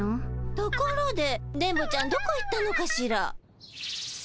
ところで電ボちゃんどこ行ったのかしら？